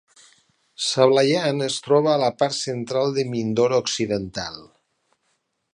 Sablayan es troba en la part central de Mindoro Occidental.